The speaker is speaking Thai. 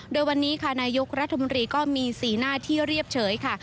โดยวันนี้ค่ะนายกรัฐมนตรีก็มีสีหน้าที่เรียบเฉยค่ะ